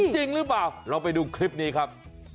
จริงหรือเปล่าเราไปดูคลิปนี้ครับ